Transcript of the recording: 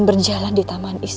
hal tersebut saya percaya